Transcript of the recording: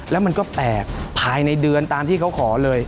แล้วมันก็แปลกภายในเดือนตามที่เขาขอเลย